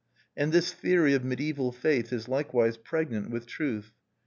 And this theory of mediaeval faith is likewise pregnant with truth.